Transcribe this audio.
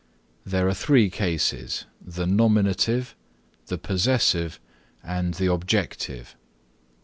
There are three cases, the Nominative, the Possessive and the Objective.